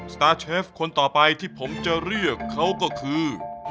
สตาร์เชฟคนต่อไปที่ผมจะเรียกเขาก็คือ